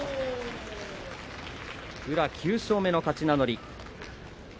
宇良、９勝目の勝ち名乗り。